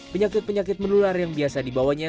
penyakit penyakit menular yang biasa dibawanya